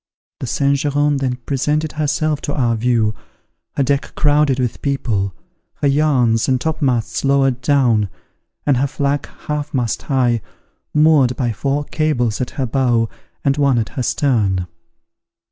The Saint Geran then presented herself to our view, her deck crowded with people, her yards and topmasts lowered down, and her flag half mast high, moored by four cables at her bow and one at her stern.